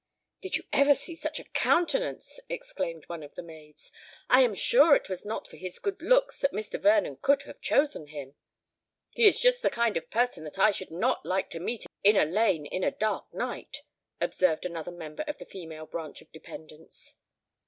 "Did you ever see such a countenance?" exclaimed one of the maids. "I am sure it was not for his good looks that Mr. Vernon could have chosen him." "He is just the kind of person that I should not like to meet in a lane in a dark night," observed another member of the female branch of dependants.